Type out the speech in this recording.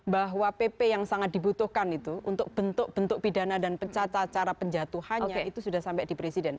bahwa pp yang sangat dibutuhkan itu untuk bentuk bentuk pidana dan cara penjatuhannya itu sudah sampai di presiden